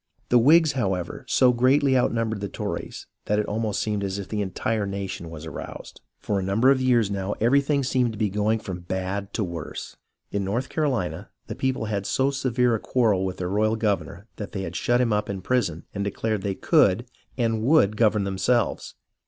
The Whigs, however, so greatly outnumbered the Tories, that it almost seemed as if the entire nation was aroused. For a number of years now everything seemed to be going from bad to worse. In North CaroHna, the people had had so severe a quarrel with their royal governor that THE BEGINNINGS OF THE TROUBLE 1 5 they had shut him up in prison and declared they could and would govern themselves.